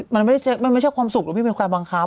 มันไม่ได้จะมันไม่ใช่ความสุขหรอกที่มันเป็นการบังจะ